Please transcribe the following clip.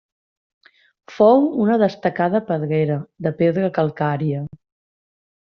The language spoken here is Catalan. Fou una destacada pedrera de pedra calcària.